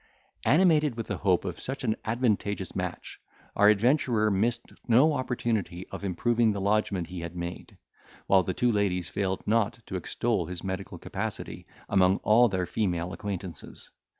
Animated with the hope of such an advantageous match, our adventurer missed no opportunity of improving the lodgment he had made, while the two ladies failed not to extol his medical capacity among all their female acquaintances.